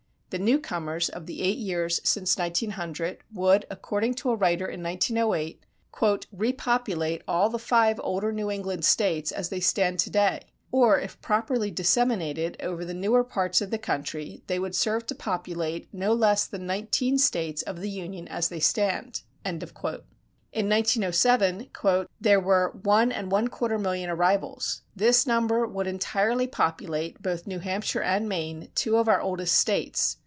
The newcomers of the eight years since 1900 would, according to a writer in 1908, "repopulate all the five older New England States as they stand to day; or, if properly disseminated over the newer parts of the country they would serve to populate no less than nineteen states of the Union as they stand." In 1907 "there were one and one quarter million arrivals. This number would entirely populate both New Hampshire and Maine, two of our oldest States."